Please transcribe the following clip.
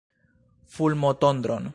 Fulmotondron!